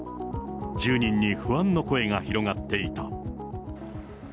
住人に不安の声が広がっていた。